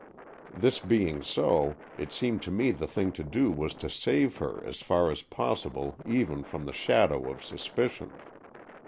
This being so, it seemed to me the thing to do was to save her as far as possible even from the shadow of suspicion.